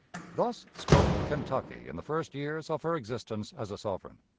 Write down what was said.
Thus spoke Kentucky in the first years of her existence as a sovereign.